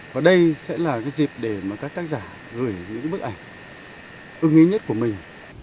và đây sẽ là dịp để các tác giả gửi những bức ảnh ưng ý nhất của mình